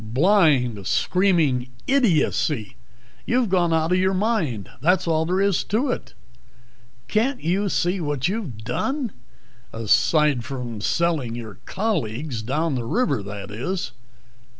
"Blind, screaming idiocy. You've gone out of your mind that's all there is to it. Can't you see what you've done? Aside from selling your colleagues down the river, that is?"